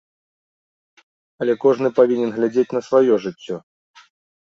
Але кожны павінен глядзець на сваё жыццё.